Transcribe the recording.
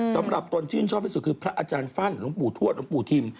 สำหรับตอนที่ชอบที่สุดคือพระอาจารย์ฟันลงปู่ทวดลงปู่ทิม